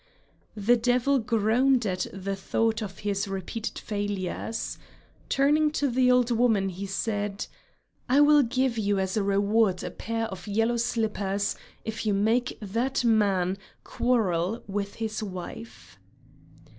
The devil groaned at the thought of his repeated failures. Turning to the old woman he said: "I will give you as a reward a pair of yellow slippers if you make that man quarrel with his wife."